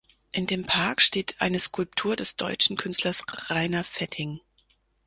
In dem Park steht eine Skulptur des deutschen Künstlers Rainer Fetting.